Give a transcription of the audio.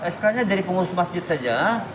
sk nya dari pengurus masjid saja